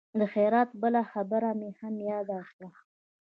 د خیرات بله خبره مې هم یاده شوه.